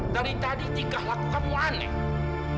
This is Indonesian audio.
dari tadi tingkah laku kamu aneh